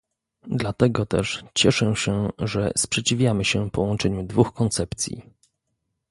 Dlatego też cieszę się, że sprzeciwiamy się połączeniu dwóch koncepcji